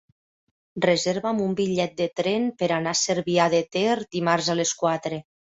Reserva'm un bitllet de tren per anar a Cervià de Ter dimarts a les quatre.